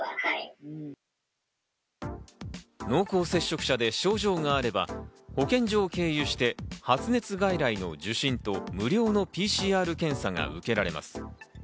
濃厚接触者で症状があれば保険所を経由して発熱外来の受診と無料のＰＣＲ検査が受けられます。